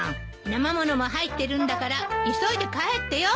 生ものも入ってるんだから急いで帰ってよ。